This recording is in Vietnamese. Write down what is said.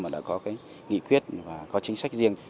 và đã có nghị quyết và có chính sách riêng